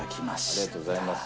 ありがとうございます。